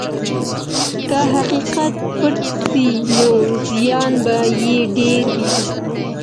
که حقیقت پټ سي نو زیان به یې ډېر وي.